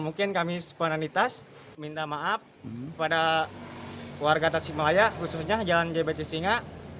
mungkin kami sempurna di tas minta maaf pada warga tasikmalaya khususnya jalan jbc singa